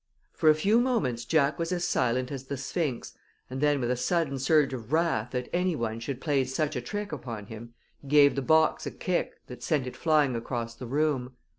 For a few moments Jack was as silent as the Sphinx, and then, with a sudden surge of wrath that any one should play such a trick upon him, he gave the box a kick that sent it flying across the room.